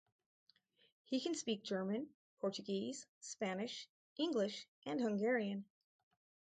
He can speak German, Portuguese, Spanish, English and Hungarian.